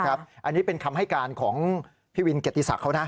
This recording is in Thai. อันนี้เป็นคำให้การของพี่วินเกียรติศักดิ์เขานะ